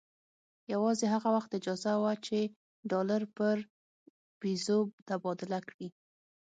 یوازې هغه وخت اجازه وه چې ډالر پر پیزو تبادله کړي.